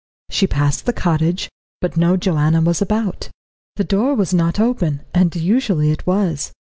She passed the cottage, but no Joanna was about. The door was not open, and usually it was.